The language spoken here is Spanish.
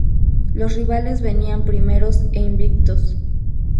Los rivales venían primeros e invictos.